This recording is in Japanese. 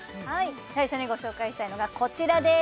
最初にご紹介したいのがこちらです